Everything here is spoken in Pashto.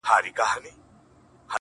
دده مخ د نمکينو اوبو ډنډ سي _